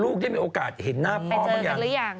ลูกได้มีโอกาสเห็นหน้าพ่อถูกเห็นรึยัง